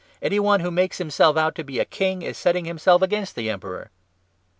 Any one who makes himself out to be a King is setting him self against the Emperor